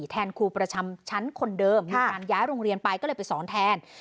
แทนครูประจำชั้นคนเดิมมีการย้ายโรงเรียนไปก็เลยไปสอนแทน